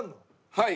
はい！